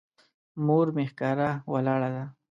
مور مې ښکاره ولاړه ده.